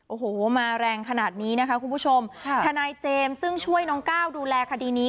โอ้โหมาแรงขนาดนี้นะคะคุณผู้ชมค่ะทนายเจมส์ซึ่งช่วยน้องก้าวดูแลคดีนี้